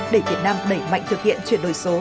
để việt nam đẩy mạnh thực hiện chuyển đổi số